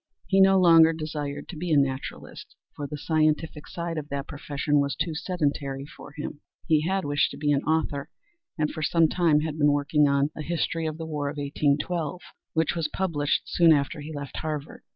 He no longer desired to be a naturalist, for the scientific side of that profession was too sedentary for him. He had wished to be an author, and for some time had been working on "A History of the War of 1812," which was published soon after he left Harvard.